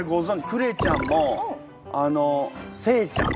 クレちゃんもあのせいちゃん